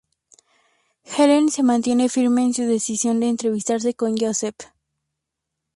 Helen se mantiene firme en su decisión de entrevistarse con Joseph.